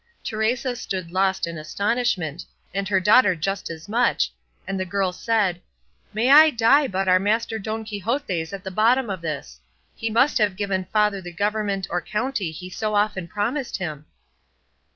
Teresa stood lost in astonishment, and her daughter just as much, and the girl said, "May I die but our master Don Quixote's at the bottom of this; he must have given father the government or county he so often promised him."